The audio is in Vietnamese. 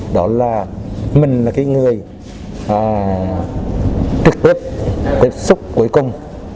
đó là mình là cái người trực tiếp tiếp xúc cuối cùng